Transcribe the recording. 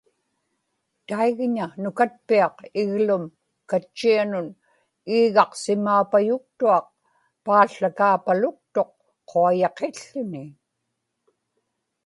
taigña nukatpiaq iglum katchianun iigaqsimaapayuktuaq paałłakaapaluktuq quayaqił̣ł̣uni